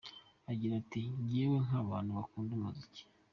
Agira ati “…Njyewe nk’abantu bakunda umuziki